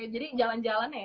jadi jalan jalan ya